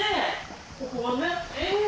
ここはね。